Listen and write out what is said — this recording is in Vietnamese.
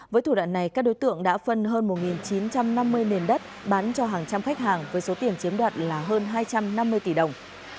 với thủ đoạn này các đối tượng đã phân hơn một chín trăm năm mươi nền đất bán cho hàng trăm khách hàng với số tiền chiếm đoạt là hơn hai trăm năm mươi tỷ đồng